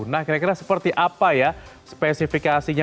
nah kira kira seperti apa ya spesifikasinya